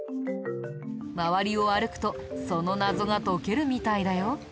周りを歩くとその謎が解けるみたいだよ。